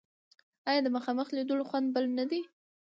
آیا د مخامخ لیدلو خوند بل نه دی؟